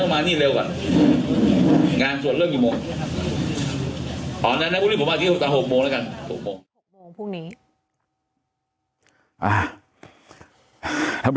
วันทั้งแต่อ